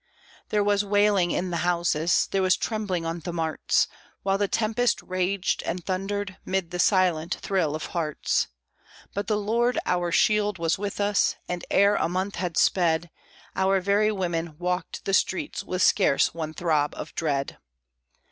There was wailing in the houses, There was trembling on the marts, While the tempest raged and thundered, 'Mid the silent thrill of hearts; But the Lord, our shield, was with us, And ere a month had sped, Our very women walked the streets With scarce one throb of dread.